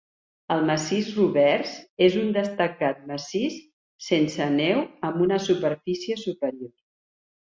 El Massís Roberts és un destacat massís sense neu amb una superfície superior.